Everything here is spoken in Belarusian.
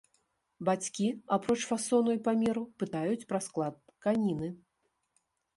Бацькі, апроч фасону і памеру, пытаюць пра склад тканіны.